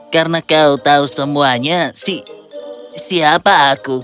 karena kau tahu semuanya si siapa aku